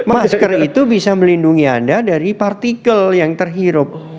masker itu bisa melindungi anda dari partikel yang terhirup